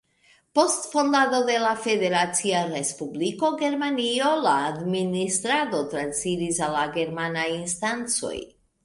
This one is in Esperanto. Post fondado de la Federacia Respubliko Germanio la administrado transiris al la germanaj instancoj.